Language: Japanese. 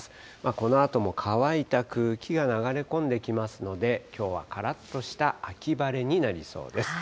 このあとも乾いた空気が流れ込んできますので、きょうはからっとした秋晴れになりそうです。